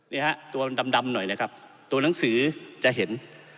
นี่ฮะตัวมันดำหน่อยเลยครับตัวหนังสือจะเห็น